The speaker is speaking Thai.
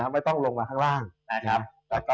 ไม่ต้องลงมาข้างล่าง